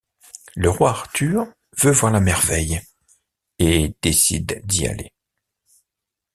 Le roi Arthur veut voir la merveille et décide d'y aller.